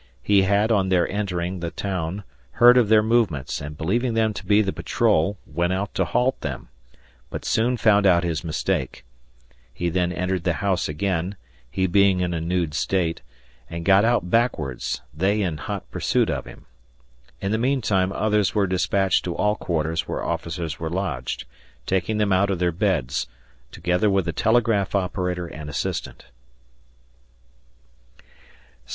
He had on their entering the town heard of their movements and believing them to be the patrol, went out to halt them, but soon found out his mistake. He then entered the house again he being in a nude state and got out backwards they in hot pursuit of him. In the meantime others were dispatched to all quarters where officers were lodged, taking them out of their beds, together with the telegraph operator and assistant.